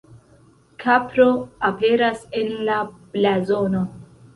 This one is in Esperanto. Kapro aperas en la blazono.